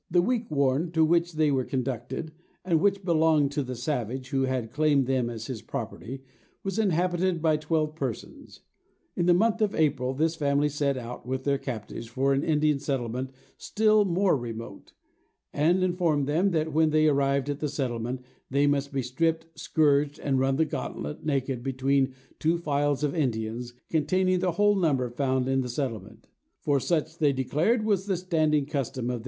The weekwarm to which they were conducted, and which belonged to the savage who had claimed them as his property, was inhabited by twelve persons. In the month of April this family set out, with their captives, for an Indian settlement still more remote; and informed them, that when they arrived at the settlement, they must be stripped, scourged, and run the gauntlet, naked, between two files of Indians, containing the whole number found in the settlement; for such, they declared, was the standing custom of their nation.